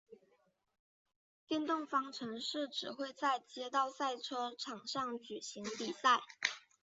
电动方程式只会在街道赛车场上举行比赛。